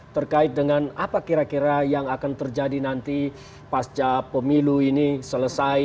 terkait dengan apa kira kira yang akan terjadi nanti pasca pemilu ini selesai